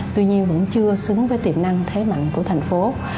tuy nhiên vẫn chưa xứng với tiềm năng thế mạnh của thành phố